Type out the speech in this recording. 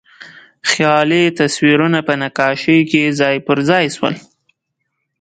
خیالي تصویرونه په نقاشۍ کې ځای پر ځای شول.